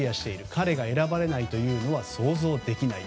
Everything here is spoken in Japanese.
彼が選ばれないというのは想像できない。